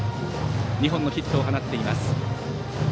２本のヒットを放っています。